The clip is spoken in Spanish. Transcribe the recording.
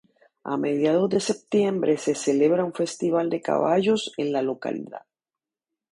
A mediados de septiembre se celebra un festival de caballos en la localidad.